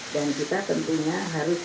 dan kita tentunya harus